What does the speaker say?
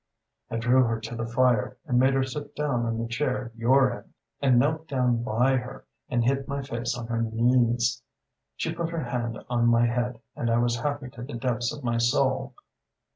"I drew her to the fire, and made her sit down in the chair you're in, and knelt down by her, and hid my face on her knees. She put her hand on my head, and I was happy to the depths of my soul.